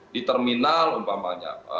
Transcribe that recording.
di terminal umpamanya